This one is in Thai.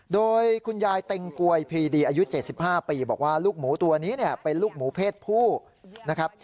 โดยคุณยายเต็งกวยพรีดีอายุ๗๕ปีบอกว่าลูกหมูตัวนี้เนี่ยเป็นลูกหมูเพศผู้นะครับ